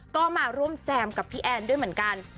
ก็มาร่วมแจมกับพี่แอนด้วยเหมือนกัน